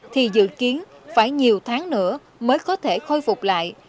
thì dự kiến phải nhiều tháng nữa mới có thể khôi phục lại